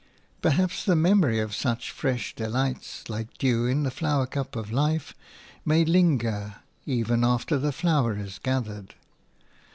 Perhaps the memory of such fresh delights, like dew in the flower cup of life, may linger even after the flower is gathered.